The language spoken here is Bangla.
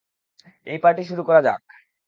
এই পার্টি শুরু করা যাক!